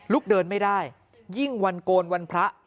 เดินไม่ได้ยิ่งวันโกนวันพระ